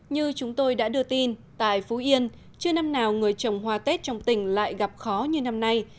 như chúng tôi đã đưa tin tại phú yên chưa năm nào người trồng hoa tết trong tỉnh lại gặp khó như năm nay